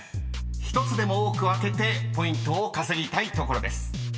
［１つでも多く開けてポイントを稼ぎたいところです］